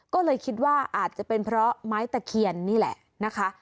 ก็เลยคิดว่าอาจจะเป็นเพราะไม้ตะเคียนนี่แหละนะคะ